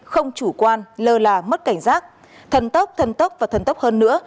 không chủ quan lơ là mất cảnh giác thần tốc thần tốc và thân tốc hơn nữa